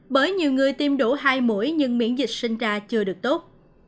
bởi nhiều người tiêm đủ hai mũi nhưng miễn dịch sinh ra chưa được tốt